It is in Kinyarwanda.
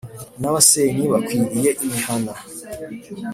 n’abasenyi bakwiriye imihana ,